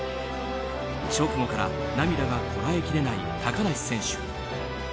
直後から涙がこらえきれない高梨選手。